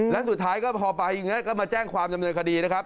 และสุดท้ายก็พอไปอย่างนี้ก็มาแจ้งความดำเนินคดีนะครับ